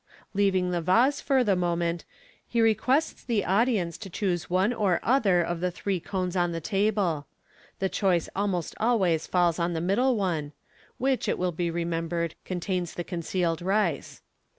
Leaving the vase for the moment, he requests the audience to choose one or other of the three cones on the table. The choice almost always falls on the middle one (which, it will be remembered, contains the concealed rice).